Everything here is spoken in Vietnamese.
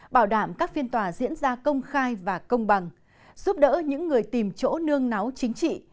bảo đảm các phiên tòa diễn ra công khai và công bằng giúp đỡ những người tìm chỗ nương náo chính trị